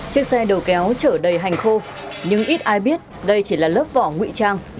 chiếc xe đầu kéo chở đầy hành khô nhưng ít ai biết đây chỉ là lớp vỏ ngụy trang